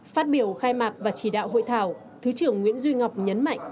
phát biểu khai mạc và chỉ đạo hội thảo thứ trưởng nguyễn duy ngọc nhấn mạnh